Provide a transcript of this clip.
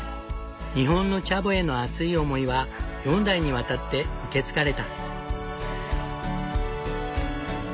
日本のチャボへの熱い思いは４代にわたって受け継がれた。